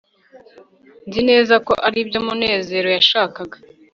nzi neza ko aribyo munezero yashakaga